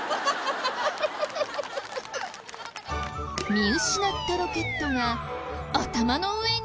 見失ったロケットが頭の上に。